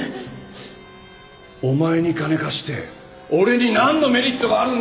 お前に金貸して俺になんのメリットがあるんだよ？